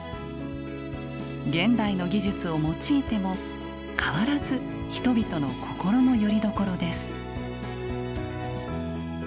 現代の技術を用いても変わらず人々の心のよりどころです。